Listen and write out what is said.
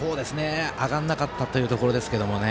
上がらなかったというところですけどね。